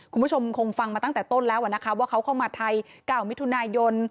คุณผู้ชมคงฟังมาตั้งแต่ต้นแล้วนะคะว่าเขาเข้ามาไทย๙มิถุนายน